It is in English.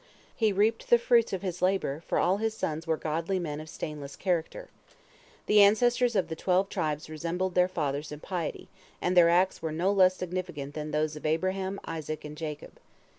He reaped the fruits of his labor, for all his sons were godly men of stainless character. The ancestors of the twelve tribes resembled their fathers in piety, and their acts were no less significant than those of Abraham, Isaac, and Jacob.